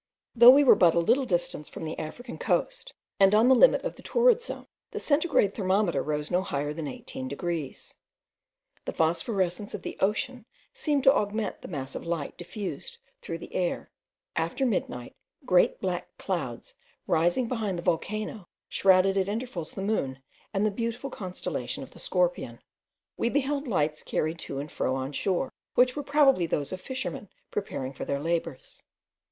Though we were but a little distance from the African coast, and on the limit of the torrid zone, the centigrade thermometer rose no higher than 18 degrees. The phosphorescence of the ocean seemed to augment the mass of light diffused through the air. After midnight, great black clouds rising behind the volcano shrouded at intervals the moon and the beautiful constellation of the Scorpion. We beheld lights carried to and fro on shore, which were probably those of fishermen preparing for their labours.